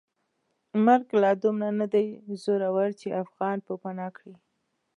مرګ لا دومره ندی زورور چې افغان پوپناه کړي.